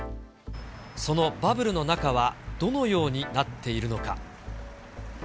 そのバブルの中はどのようになっているのか。